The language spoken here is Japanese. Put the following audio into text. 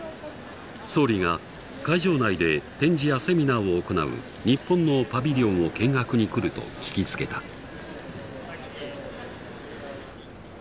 総理が会場内で展示やセミナーを行う日本のパビリオンを見学に来ると聞きつけた。